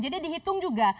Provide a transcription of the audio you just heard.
jadi dihitung juga